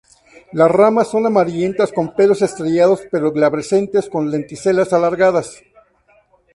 Las ramas son amarillentas con pelos estrellados pero glabrescentes, con lenticelas alargadas.